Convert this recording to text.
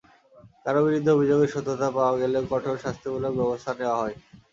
কারও বিরুদ্ধে অভিযোগের সত্যতা পাওয়া গেলে কঠোর শাস্তিমূলক ব্যবস্থা নেওয়া হয়।